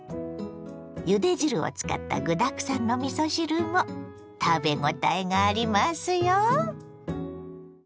ゆで汁を使った具だくさんのみそ汁も食べごたえがありますよ。